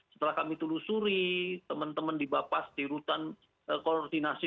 setelah kami tulusuri teman teman dibapas di rutan koordinasi